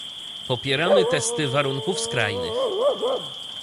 Popieramy testy warunków skrajnych